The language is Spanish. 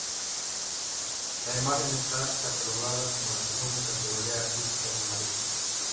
La imagen está catalogada como la segunda en categoría artística de Madrid.